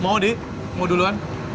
mau di mau duluan